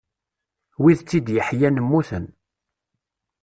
Wid tt-id-yeḥyan mmuten.